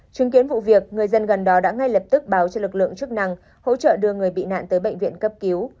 chứng kiến vụ việc người dân gần đó đã ngay lập tức báo cho lực lượng chức năng hỗ trợ đưa người bị nạn tới bệnh viện cấp cứu